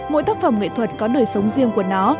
mỗi tác phẩm nghệ thuật có đời sống riêng của nó